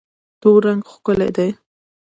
تور رنګ ښکلی دی.